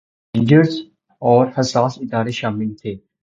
ایک میں رینجرز اور حساس ادارے شامل تھے